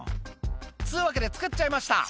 「っつうわけで作っちゃいました」